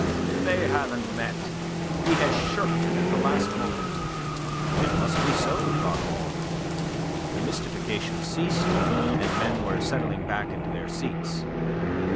"They haven't met. He has shirked it at the last moment." It must be so, thought all; the mystification ceased, and men were settling back into their seats.